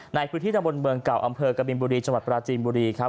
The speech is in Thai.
ในพื้นที่ตะบนเมืองเก่าอำเภอกบินบุรีจังหวัดปราจีนบุรีครับ